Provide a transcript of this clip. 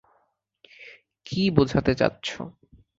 কী বোঝাতে চাচ্ছো?